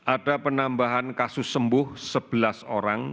ada penambahan kasus sembuh sebelas orang